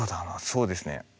そうですね